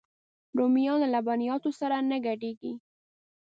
رومیان له لبنیاتو سره نه ګډېږي